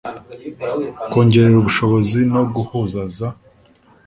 kongerera ubushobozi no guhuza za